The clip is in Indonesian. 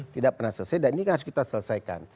tidak pernah selesai dan ini harus kita selesaikan